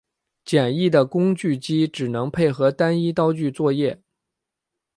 简易的工具机只能配合单一刀具作业。